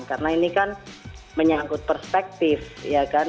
karena ini kan menyangkut perspektif ya kan